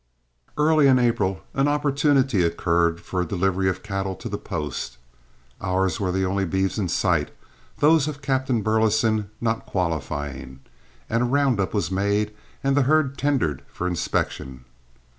Early in April an opportunity occurred for a delivery of cattle to the post. Ours were the only beeves in sight, those of Captain Burleson not qualifying, and a round up was made and the herd tendered for inspection.